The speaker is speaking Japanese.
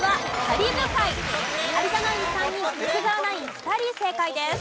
有田ナイン３人福澤ナイン２人正解です。